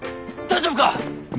大丈夫か？